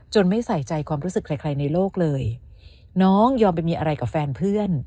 ไม่ใส่ใจความรู้สึกใครใครในโลกเลยน้องยอมไปมีอะไรกับแฟนเพื่อน